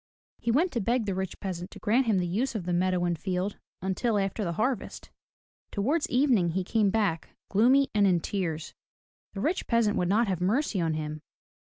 He went to beg the rich peasant to grant him the use of the meadow and field until after the harvest. Towards evening he came back, gloomy and in tears. The rich peasant would not have mercy on him.